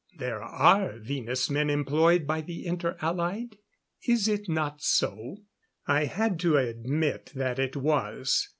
There are Venus men employed by the Inter Allied. Is it not so?" I had to admit that it was.